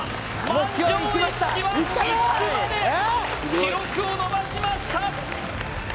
満場一致は５つまで記録を伸ばしました